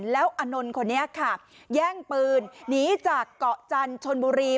แล้วอานนท์คนนี้ค่ะแย่งปืนหนีจากเกาะจันทร์ชนบุรี